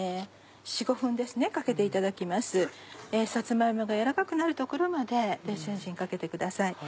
さつま芋が軟らかくなるところまで電子レンジにかけてください。